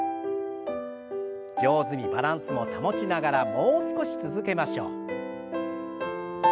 上手にバランスも保ちながらもう少し続けましょう。